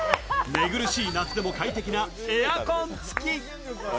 寝苦しい夏でも快適なエアコン付き。